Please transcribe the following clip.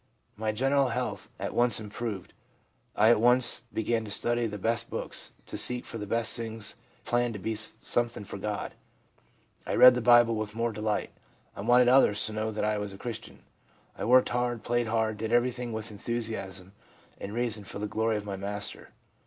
My general health at once improved. I at once began to study the best books, to seek /or the best things, to plan to be something for God. I read the Bible with more delight, I wanted others to know that I was a Christian. I worked hard, played hard, did everything with enthusi asm and reason for the glory of my Master.